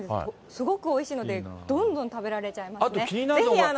すごくおいしいので、どんどん食べられちゃいますね。